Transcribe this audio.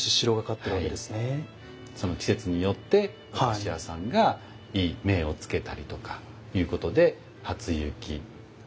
その季節によってお菓子屋さんがいい銘を付けたりとかいうことで「初雪」。